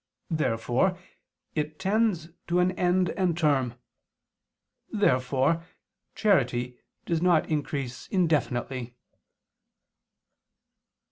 Therefore it tends to an end and term. Therefore charity does not increase indefinitely.